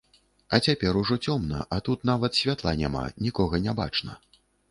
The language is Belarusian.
А цяпер ужо цёмна, а тут нават святла няма, нікога не бачна.